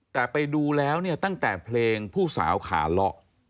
แต่ไปดูแล้วเนี่ยตั้งแต่เพลงผู้สาวขาเลาะ